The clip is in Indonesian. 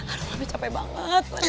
aduh mami capek banget